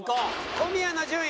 小宮の順位